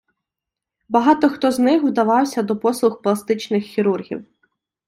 Багато хто з них вдавався до послуг пластичних хірургів.